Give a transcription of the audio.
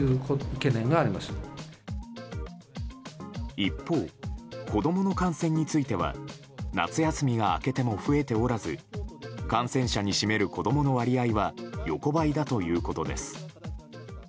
一方、子供の感染については夏休みが明けても増えておらず感染者に占める子供の割合は横ばいだということです。